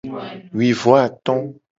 Wi vo ato.